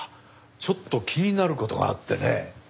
ちょっと気になる事があってね。